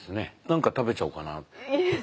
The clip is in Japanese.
何か食べちゃおうかなって。